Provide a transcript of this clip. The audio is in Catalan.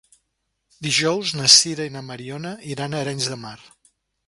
Dijous na Sira i na Mariona iran a Arenys de Mar.